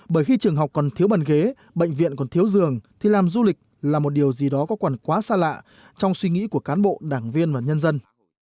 bởi khi trường học còn thiếu bàn ghế bệnh viện còn thiếu giường thì làm du lịch là một điều gì đó có còn quá xa lạ trong suy nghĩ của cán bộ đảng viên và nhân dân